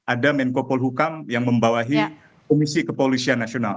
ada menko polhukam yang membawahi komisi kepolisian nasional